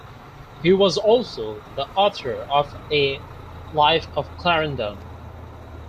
He was also the author of a "Life of Clarendon".